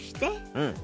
うん。